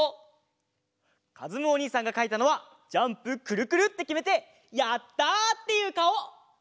かずむおにいさんがかいたのはジャンプくるくるってきめてやったっていうかお！